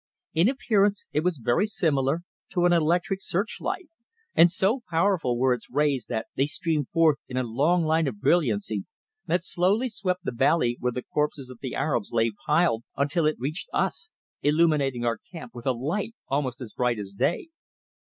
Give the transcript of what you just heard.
In appearance it was very similar to an electric search light, and so powerful were its rays that they streamed forth in a long line of brilliancy that slowly swept the valley where the corpses of the Arabs lay piled until it reached us, illuminating our camp with a light almost bright as day.